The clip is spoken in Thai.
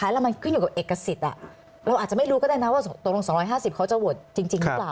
เราอาจจะไม่รู้ก็ได้นะว่าตรง๒๕๐คนเขาจะโหวตจริงหรือเปล่า